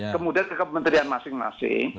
kemudian ke kementerian masing masing